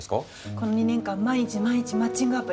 この２年間毎日毎日マッチングアプリ。